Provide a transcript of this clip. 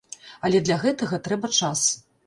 Але для гэтага трэба час.